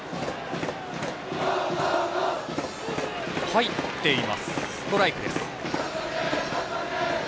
入っています、ストライク。